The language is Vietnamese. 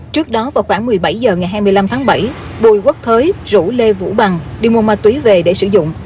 trước đó vào khoảng một mươi bảy h ngày hai mươi năm tháng bảy bùi quốc thới rủ lê vũ bằng đi mua ma túy về để sử dụng